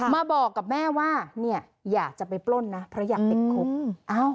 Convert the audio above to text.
มาบอกกับแม่ว่าเนี่ยอยากจะไปปล้นนะเพราะอยากติดคุก